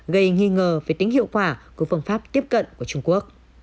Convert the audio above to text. gây nghi ngờ về tính hiệu quả của phương pháp tiếp cận của trung quốc